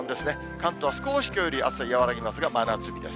関東、少しきょうより暑さ和らぎますが、真夏日です。